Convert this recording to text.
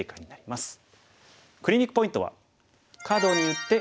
クリニックポイントは。